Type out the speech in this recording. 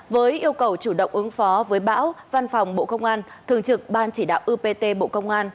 với yêu cầu chủ động ứng phó với bão văn phòng bộ công an thường trực ban chỉ đạo upt bộ công an